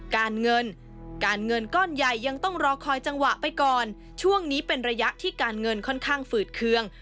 การเงินการเงินก้อนใหญ่ยังต้องรอคอยจังหวะไปก่อนช่วงนี้เป็นระยะที่การเงินค่อนข้างฝืดเคือง